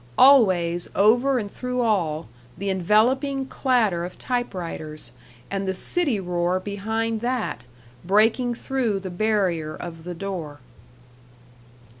Always, over and through all, the enveloping clatter of typewriters, and the city roar behind that, breaking through the barrier of the door.